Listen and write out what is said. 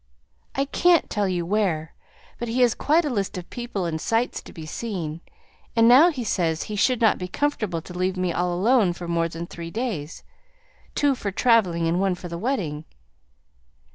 I can't tell you where; but he has quite a list of people and sights to be seen, and now he says he should not be comfortable to leave me all alone for more than three days, two for travelling, and one for the wedding."